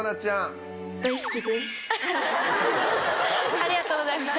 ありがとうございます。